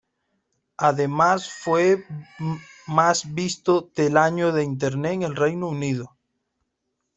Además fue más visto del año de Internet en el Reino Unido.